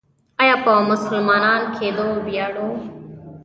آیا په مسلمان کیدو ویاړو؟